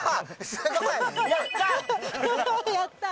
すごい。やった。